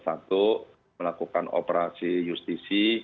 satu melakukan operasi justisi